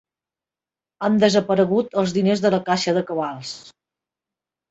Han desaparegut els diners de la caixa de cabals.